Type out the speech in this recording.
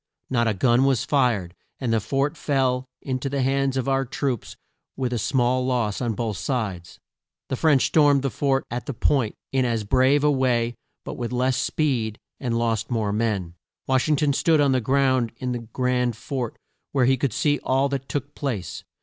Not a gun was fired, and the fort fell in to the hands of our troops with a small loss on both sides. The French stormed the fort at the Point in as brave a way, but with less speed, and lost more men. Wash ing ton stood on the ground in the grand fort where he could see all that took place.